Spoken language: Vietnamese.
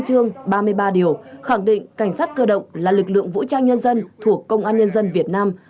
chương ba mươi ba điều khẳng định cảnh sát cơ động là lực lượng vũ trang nhân dân thuộc công an nhân dân việt nam